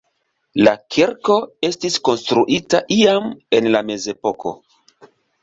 La kirko estis konstruita iam en la mezepoko.